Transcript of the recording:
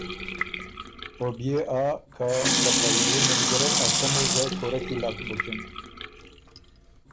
او بيې آ که ته پئ بيې مِلګرئ ا څمی ګۀ کُورۀ کی لک بُکِن۔